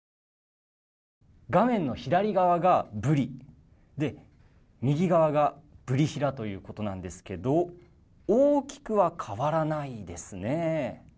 画面の左側がブリで右側がブリヒラということなんですけど大きくは変わらないですね。